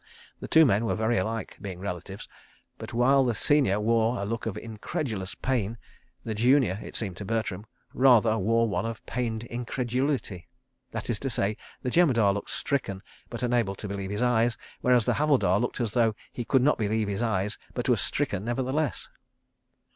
The two men were very alike, being relatives, but while the senior wore a look of incredulous pain, the junior, it seemed to Bertram, rather wore one of pained incredulity. That is to say, the Jemadar looked stricken but unable to believe his eyes, whereas the Havildar looked as though he could not believe his eyes but was stricken nevertheless.